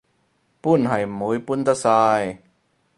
搬係唔會搬得晒